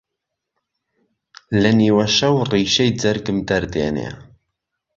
لە نیوە شەو ڕیشەی جەرگم دەردێنێ